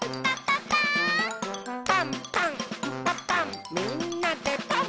「パンパンんパパンみんなでパン！」